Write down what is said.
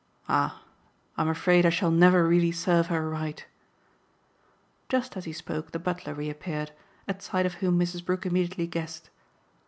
"Ah I'm afraid I shall never really serve her right!" Just as he spoke the butler reappeared; at sight of whom Mrs. Brook immediately guessed.